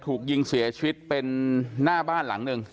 ถูกยิงเสียชีวิตเป็นหน้าบ้านหลังหนึ่ง